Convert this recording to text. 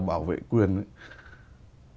bảo vệ quyền ấy